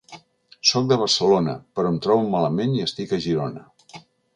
Soc de Barcelona, però em trobo malament i estic a Girona.